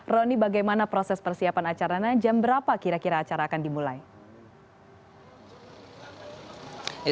roni bagaimana proses persiapan acaranya jam berapa kira kira acara akan dimulai